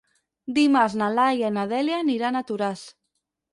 Dimarts na Laia i na Dèlia aniran a Toràs.